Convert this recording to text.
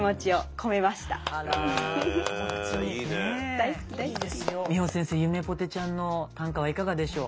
ゆめぽてちゃんの短歌はいかがでしょう。